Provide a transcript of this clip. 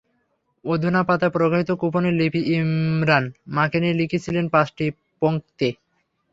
অধুনা পাতায় প্রকাশিত কুপনে লিপি ইমরান মাকে নিয়ে লিখেছিলেন পাঁচটি পঙ্ক্তি।